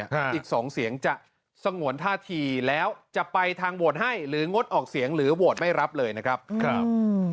อีกสองเสียงจะสงวนท่าทีแล้วจะไปทางโหวตให้หรืองดออกเสียงหรือโหวตไม่รับเลยนะครับครับ